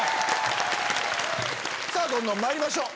どんどんまいりましょう！